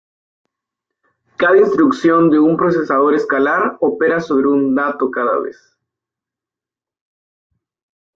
Cada instrucción de un procesador escalar opera sobre un dato cada vez.